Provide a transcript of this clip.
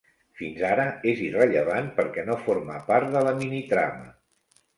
Fins ara és irrellevant perquè no forma part de la minitrama.